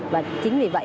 và chính vì vậy